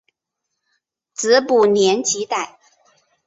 子卜怜吉歹。